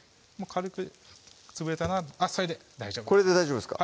軽く潰れたなあっそれで大丈夫です